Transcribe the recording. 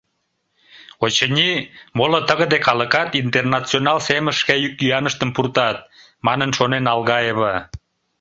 «Очыни, моло тыгыде калыкат «Интернационал» семыш шке йӱк-йӱаныштым пуртат», — манын шонен Алгаева.